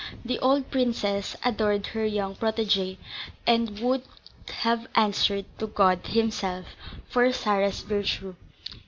The old princess adored her young protégée and would have answered to God himself for Sarah's virtue.